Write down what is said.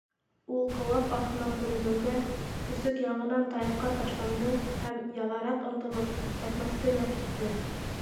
Ул ҡыуаҡ артынан күренеүгә, көсөк яңынан таяҡҡа ташланды һәм, яҙараҡ ынтылып, тәкмәсте лә китте.